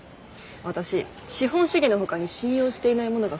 私資本主義の他に信用していないものが２つあんの。